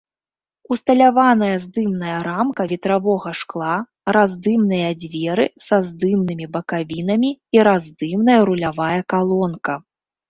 Усталяваная здымная рамка ветравога шкла, раздымныя дзверы са здымнымі бакавінамі і раздымная рулявая калонка.